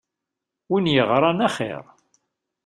Win yeɣran axir.